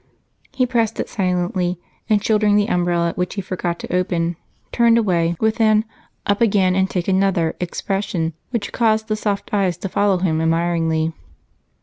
He pressed it silently and, shouldering the umbrella which he forgot to open, turned away with an "up again and take another" expression, which caused the soft eyes to follow him admiringly.